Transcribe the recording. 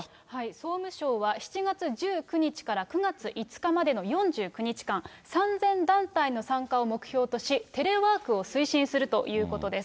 総務省は７月１９日から９月５日までの４９日間、３０００団体の参加を目標とし、テレワークを推進するということです。